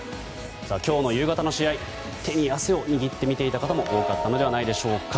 今日の夕方の試合手に汗を握って見ていた方も多かったのではないでしょうか。